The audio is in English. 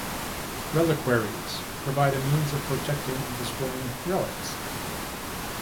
Reliquaries provide a means of protecting and displaying relics.